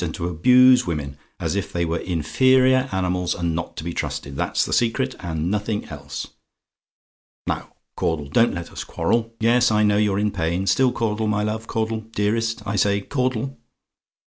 And to abuse women, as if they were inferior animals, and not to be trusted. That's the secret; and nothing else. "Now, Caudle, don't let us quarrel. Yes, I know you're in pain. Still, Caudle, my love; Caudle! Dearest, I say! Caudle!"